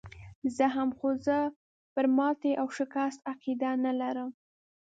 زه هم، خو زه پر ماتې او شکست عقیده نه لرم.